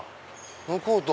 向こうと。